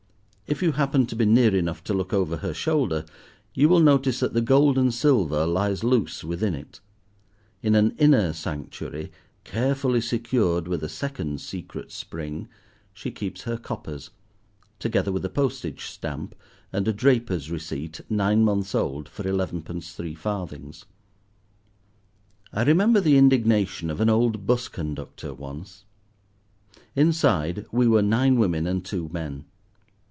If you happen to be near enough to look over her shoulder, you will notice that the gold and silver lies loose within it. In an inner sanctuary, carefully secured with a second secret spring, she keeps her coppers, together with a postage stamp and a draper's receipt, nine months old, for elevenpence three farthings. I remember the indignation of an old Bus conductor, once. Inside we were nine women and two men.